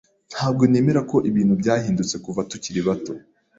Ntabwo nemera ko ibintu byahindutse kuva tukiri bato.